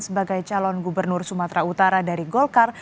sebagai calon gubernur sumatera utara dari golkar